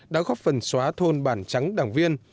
đã góp phần xóa thôn bản trắng đảng viên